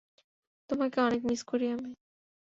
তোমাকে অনেক মিস করি আমি।